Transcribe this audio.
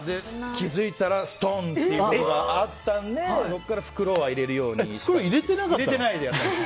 気づいたらストンっていうことがあったのでそれから袋は入れるようにしてます。